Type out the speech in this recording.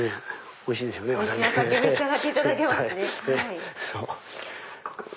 おいしいお酒召し上がっていただけますね。